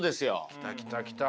来た来た来た。